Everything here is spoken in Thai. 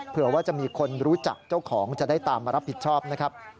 เผื่อว่าจะมีคนรู้จักเจ้าของจะได้ตามมารับผิดชอบนะครับ